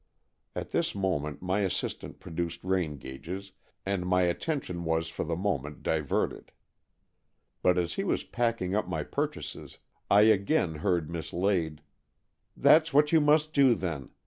At this moment my assistant produced rain gauges, and my attention was for the moment diverted. But as he was packing up my purchases, I again heard Miss Lade — "That's what you must do, then.